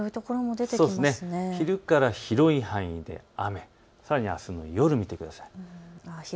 昼から広い範囲で雨、さらにあすの夜を見てください。